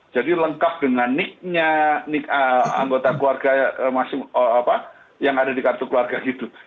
jadi lengkap dengan nick nya nick anggota keluarga yang ada di kartu keluarga gitu